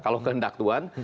kalau kehendak tuhan